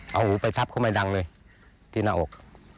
เอาหูไปทับเขาไม่ดังเลยที่หน้าอก